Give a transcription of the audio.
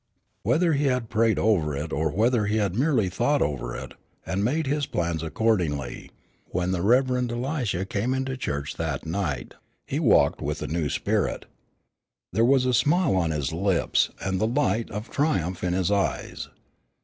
Whether he had prayed over it or whether he had merely thought over it, and made his plans accordingly, when the Rev. Elisha came into church that night, he walked with a new spirit. There was a smile on his lips, and the light of triumph in his eyes.